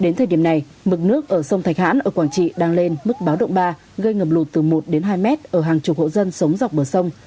nước ở sông thạch hãn ở quảng trị đang lên mức báo động ba gây ngập lụt từ một đến hai mét ở hàng chục hộ dân sống dọc bờ sông